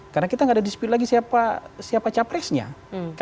karena kita tidak ada dispute lagi siapa capresnya